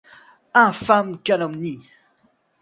Infâme calomnie !